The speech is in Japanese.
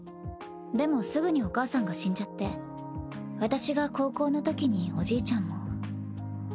でもすぐにお母さんが死んじゃって私が高校のときにおじいちゃんも。